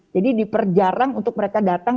jadi diperjarang untuk mereka datang